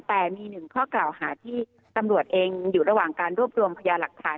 แต่มีหนึ่งข้อกล่าวหาที่ตำรวจเองอยู่ระหว่างการรวบรวมพยาหลักฐาน